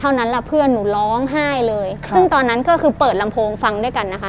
เท่านั้นแหละเพื่อนหนูร้องไห้เลยค่ะซึ่งตอนนั้นก็คือเปิดลำโพงฟังด้วยกันนะคะ